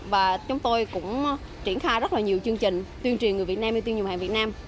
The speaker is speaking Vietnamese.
và chúng tôi cũng triển khai rất nhiều chương trình tuyên truyền người việt nam ưu tiên dùng hàng việt nam